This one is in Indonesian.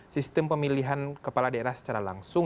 sistem pemilihan kepala daerah secara langsung